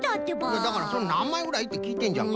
いやだから「なんまいぐらい？」ってきいてんじゃんか。